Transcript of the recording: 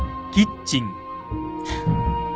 ・フッ。